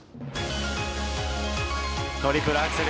トリプルアクセル